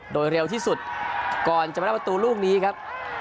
โดยเร็วที่สุดก่อนจะมาได้ประตูลูกนี้ครับ